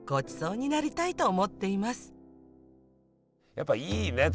やっぱいいね